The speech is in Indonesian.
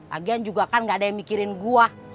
lagi kan juga kan gak ada yang mikirin gue